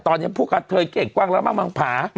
ตอนนี้พวกอาเตยเก่งกว้างเร็วมากมากพา